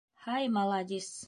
— Һай, маладис!